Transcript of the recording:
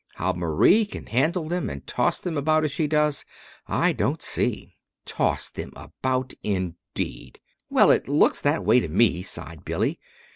How Marie can handle them, and toss them about as she does, I don't see." "Toss them about, indeed!" "Well, it looks that way to me," sighed Billy.